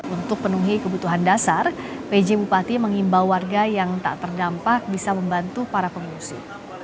untuk penuhi kebutuhan dasar pj bupati mengimbau warga yang tak terdampak bisa membantu para pengungsi